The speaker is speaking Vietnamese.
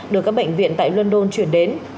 được các bệnh viện tại london chuyển đến